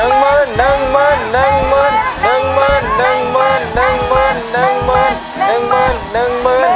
น๊ามานั่งนี่หนู